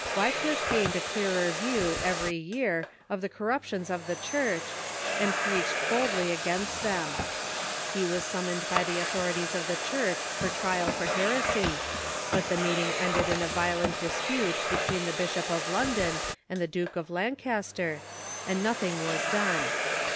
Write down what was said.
Wycliffe gained a clearer view every year of the coiTuptions of the Church, and preached boldly against them. He was summoned by the authorities of the Church for trial for heresy, but the meeting ended in a violent dispute between the Bishop of London and the Duke of Lancaster, and nothing was done.